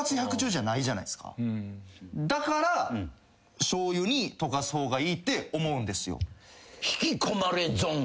だからしょうゆに溶かす方がいいって思うんですよ。